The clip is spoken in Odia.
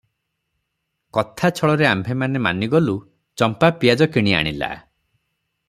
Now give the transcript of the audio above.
କଥା ଛଳରେ ଆମ୍ଭେମାନେ ମାନିଗଲୁ, ଚମ୍ପା ପିଆଜ କିଣି ଆଣିଲା ।